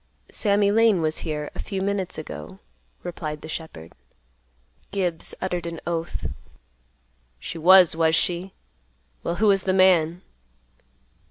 "Sammy Lane was here a few minutes ago," replied the shepherd. Gibbs uttered an oath, "She was, was she? Well, who was th' man?"